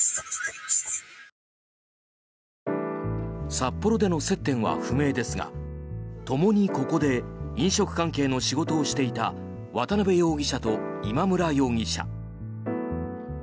札幌での接点は不明ですがともにここで飲食関係の仕事をしていた渡邉容疑者と今村容疑者。